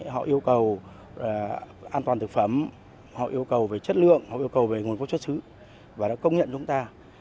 họ yêu cầu an toàn thực phẩm họ yêu cầu về chất lượng họ yêu cầu về nguồn quốc chất xứ và đã công nhận chúng ta